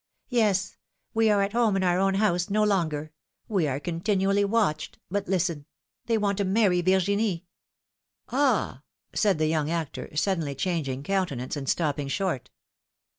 Yes, we are at home in our own house no longer; we are continually watched. But listen : they want to marry Virginie." ^^Ah !" said the young actor, suddenly changing coun tenance and stopping short.